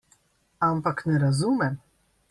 Ampak ne razumem.